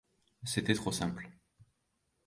C’était trop simple.